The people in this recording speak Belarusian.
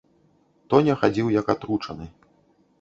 Тоня хадзіў як атручаны.